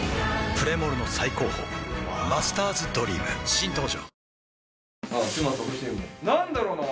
プレモルの最高峰「マスターズドリーム」新登場ワオ嶋佐欲しいもの。